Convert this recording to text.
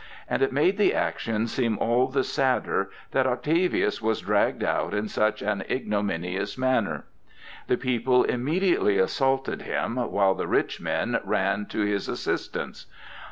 And it made the action seem all the sadder that Octavius was dragged out in such an ignominious manner. The people immediately assaulted him, while the rich men ran in to his assistance.